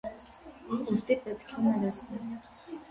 Ուստի պետք է ներես ինձ: